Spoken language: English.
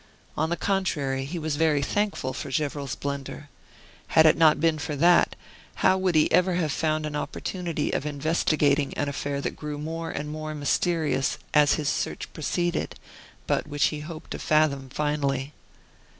On the contrary, he was very thankful for Gevrol's blunder. Had it not been for that, how would he ever have found an opportunity of investigating an affair that grew more and more mysterious as his search proceeded, but which he hoped to fathom finally.